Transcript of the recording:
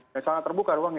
yang sangat terbuka ruangnya